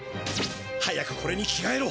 早くこれに着がえろ。